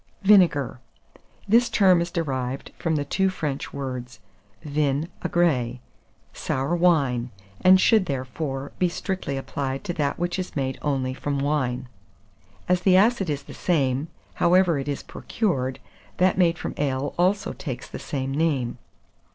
VINEGAR. This term is derived from the two French words vin aigre, 'sour wine,' and should, therefore, be strictly applied to that which is made only from wine. As the acid is the same, however it is procured, that made from ale also takes the same name.